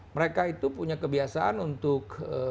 mereka itu punya kebiasaan untuk